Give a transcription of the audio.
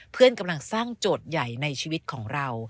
กำลังสร้างโจทย์ใหญ่ในชีวิตของเรา